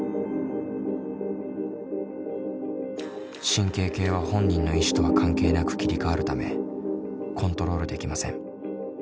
神経系は本人の意思とは関係なく切り替わるためコントロールできません。